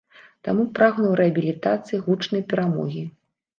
Таму прагнуў рэабілітацыі, гучнай перамогі.